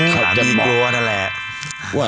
สามีกลัวนั่นแหละ